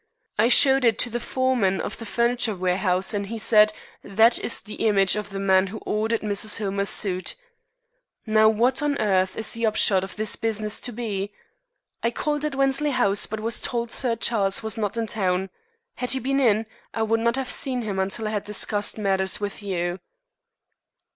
I showed it to the foreman of the furniture warehouse, and he said: 'That is the image of the man who ordered Mrs. Hillmer's suite.' Now, what on earth is the upshot of this business to be? I called at Wensley House, but was told Sir Charles was not in town. Had he been in, I would not have seen him until I had discussed matters with you."